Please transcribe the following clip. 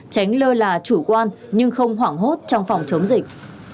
tránh lơ là chủ quan nhưng không hoảng hốt trong phòng chống dịch